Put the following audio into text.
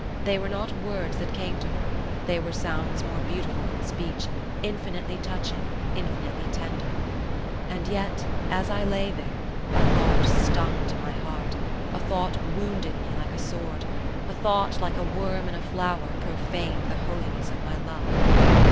They were not words that came to her, they were sounds more beautiful than speech, infinitely touching, infinitely tender; and yet as I lay there, a thought stung to my heart, a thought wounded me like a sword, a thought, like a worm in a flower, profaned the holiness of my love.